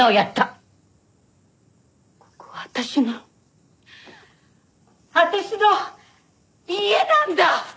ここは私の私の家なんだ！